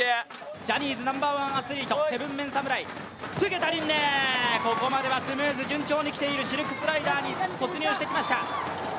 ジャニーズナンバーワンアスリート、７ＭＥＮ侍菅田琳寧、ここまではスムーズ順調にきているシルクスライダーに突入してきました。